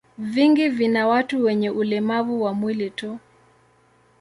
Vingi vina watu wenye ulemavu wa mwili tu.